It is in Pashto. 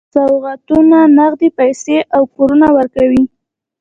سوغاتونه، نغدي پیسې او کورونه ورکوي.